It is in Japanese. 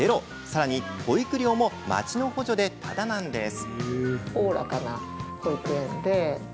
さらに保育料も町の補助で、ただなんです。